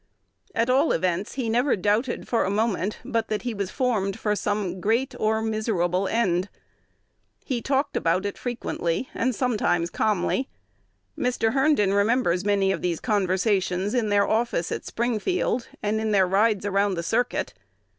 At all events, he never doubted for a moment but that he was formed for "some great or miserable end." He talked about it frequently and sometimes calmly. Mr. Herndon remembers many of these conversations in their office at Springfield, and in their rides around the circuit.